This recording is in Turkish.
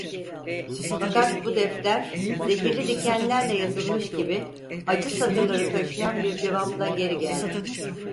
Fakat bu defter, zehirli dikenlerle yazılmış gibi acı satırları taşıyan bir cevapla geri geldi.